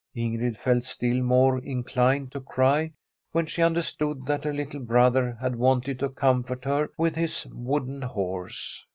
Ingrid felt still more inclined to cry when she understood that her little brother had wanted to comfort her with his wooden horse.